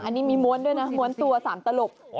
อันนี้มีม้วนด้วยนะม้วนตัว๓ตลก